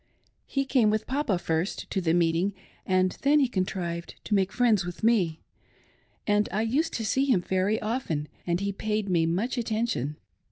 He came with Papa first to the meeting, and then he contrived to make friends with me, and I used to see him very often, and he paid me much attention.